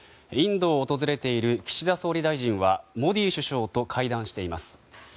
インドを訪れている岸田総理大臣はモディ首相と会談しています。